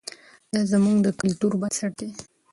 دا زموږ د کلتور بنسټ دی.